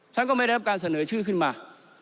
ท่านก็ไม่ได้รับการเสนอชื่อขึ้นมา